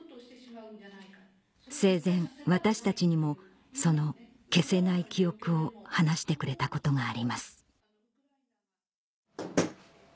生前私たちにもその消せない記憶を話してくれたことがあります